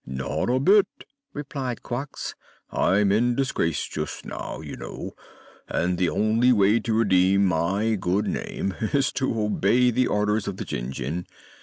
"Not a bit," replied Quox. "I'm in disgrace just now, you know, and the only way to redeem my good name is to obey the orders of the Jinjin.